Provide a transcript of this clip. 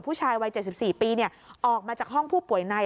ผู้ชายวัย๗๔ปีออกมาจากห้องผู้ป่วยใน